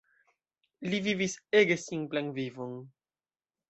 Li vivis ege simplan vivon.